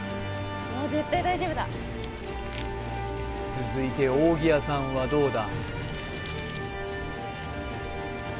続いて扇谷さんはどうだ？